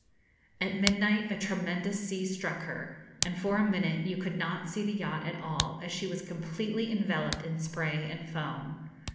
At midnight a tremendous sea struck her, and for a minute you could not see the yacht at all, as she was completely enveloped in spray and foam.